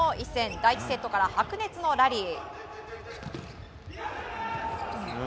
第１セットから白熱のラリー。